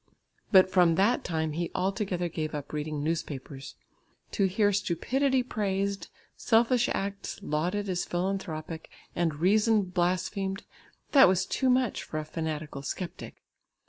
But from that time he altogether gave up reading newspapers. To hear stupidity praised, selfish acts lauded as philanthropic, and reason blasphemed, that was too much for a fanatical sceptic.